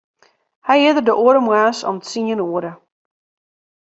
Hy is der de oare moarns om tsien oere.